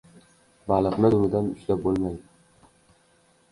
• Baliqni dumidan ushlab bo‘lmaydi.